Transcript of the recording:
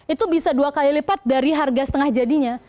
itu bisa dua kali lipat dari harga setengah jadinya